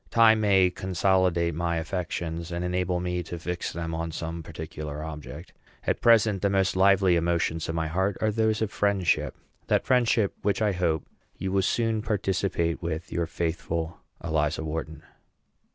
Time consolidate my affections, and enable me to fix them on some particular object. At present the most lively emotions of my heart are those of friendship, that friendship which I hope you will soon participate with your faithful ELIZA WHARTON.